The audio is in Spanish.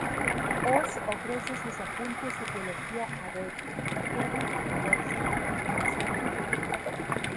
Oz ofrece sus apuntes de biología a Debbie y quedan en verse más tarde.